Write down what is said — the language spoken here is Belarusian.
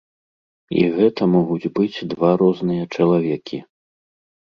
І гэта могуць быць два розныя чалавекі.